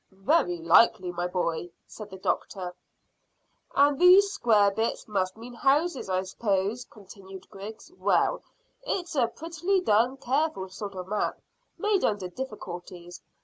"Very likely, my boy," said the doctor. "And these square bits must mean houses, I s'pose," continued Griggs. "Well, it's a prettily done, careful sort of map, made under difficulties.